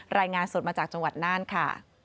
รายงานสดมาจากจังหวัดน่านค่ะ